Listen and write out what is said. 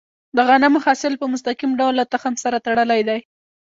د غنمو حاصل په مستقیم ډول له تخم سره تړلی دی.